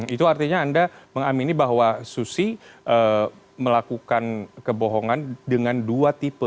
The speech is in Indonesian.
itu artinya anda mengamini bahwa susi melakukan kebohongan dengan dua tipe